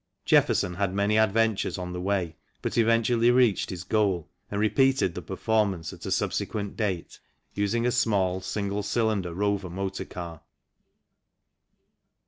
Jefferson had many adventures on the way, but eventually reached his goal and repeated the performance at a subsequent date, using a small single cylinder Rover motor car.